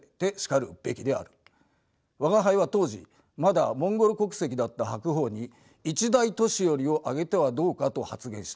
吾輩は当時まだモンゴル国籍だった白鵬に一代年寄をあげてはどうかと発言した。